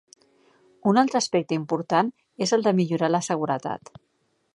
Un altre aspecte important és el de millorar la seguretat.